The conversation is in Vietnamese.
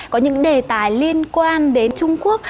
có những đề tài liên quan đến trung quốc